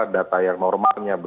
data yang normalnya